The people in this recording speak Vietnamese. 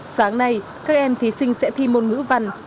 sáng nay các em thí sinh sẽ thi môn ngữ văn